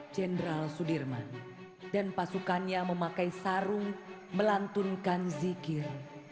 jenderal sudirman dan pasukannya memakai sarung melantunkan zikir